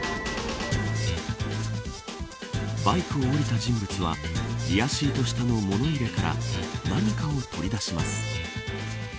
バイクを降りた人物はリアシート下の物入れから何かを取り出します。